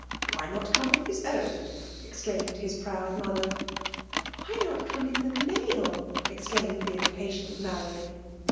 *' Why not come in his own ?*' exclaimed his proud mother. ^' Why not come in the mail?*' exclaimed the impatient Marian.